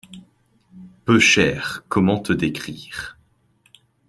Peuchère, comment te décrire…